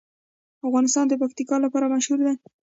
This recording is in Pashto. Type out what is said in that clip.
افغانستان د پکتیکا لپاره مشهور دی.